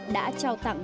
đã trao tặng